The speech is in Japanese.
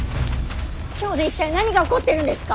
京で一体何が起こってるんですか。